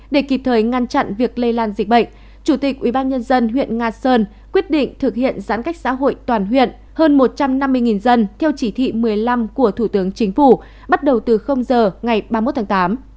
để kịp thời ngăn chặn việc lây lan dịch bệnh chủ tịch ubnd huyện nga sơn quyết định thực hiện giãn cách xã hội toàn huyện hơn một trăm năm mươi dân theo chỉ thị một mươi năm của thủ tướng chính phủ bắt đầu từ giờ ngày ba mươi một tháng tám